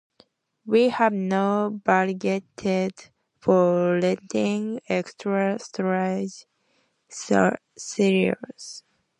We have not budgeted for renting extra storage silos.